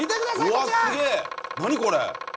こちらうわすげえ何これ？